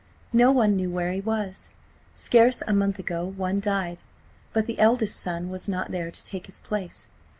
No one knew where he was. Scarce a month ago one died, but the eldest son was not there to take his place.